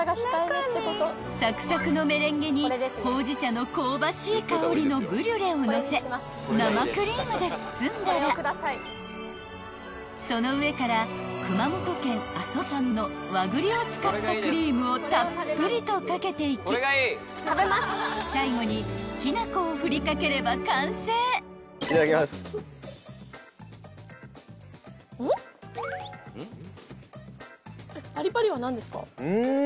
［サクサクのメレンゲにほうじ茶の香ばしい香りのブリュレをのせ生クリームで包んだらその上から熊本県阿蘇産の和栗を使ったクリームをたっぷりと掛けていき最後にきな粉を振り掛ければ完成］ん！